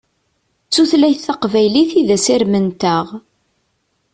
D tutlayt taqbaylit i d asirem-nteɣ.